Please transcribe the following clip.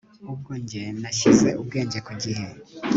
ubwo njye nashyize ubwenge kugihe